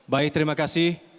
baik terima kasih